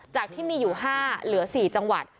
จากที่มีอยู่๕เหลือ๔จังหวัด